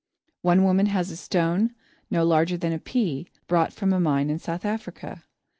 One woman has a stone, no larger than a pea, brought from a mine in South Africa.